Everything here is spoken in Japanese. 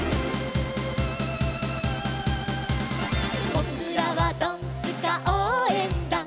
「ぼくらはドンスカおうえんだん」